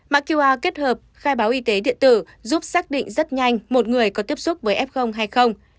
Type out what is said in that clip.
mã qr kết hợp khai báo y tế điện tử giúp xác định rất nhanh một người có tiếp xúc với f hay không